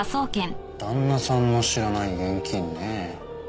旦那さんの知らない現金ねえ。